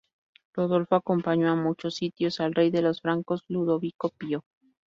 Rodolfo acompañó a muchos sitios al rey de los Francos Ludovico Pío.